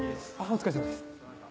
お疲れさまです。